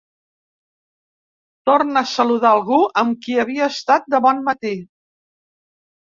Torna a saludar algú amb qui havia estat de bon matí.